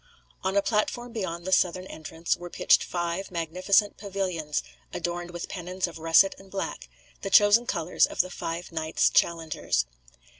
On a platform beyond the southern entrance were pitched five magnificent pavilions, adorned with pennons of russet and black the chosen colours of the five knights challengers.